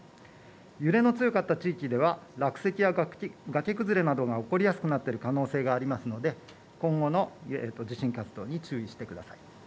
揺れの強かった地域では落石や崖崩れなどが起こりやすくなっている可能性がありますので今後の地震活動に注意してください。